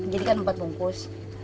jadi kan empat bungkus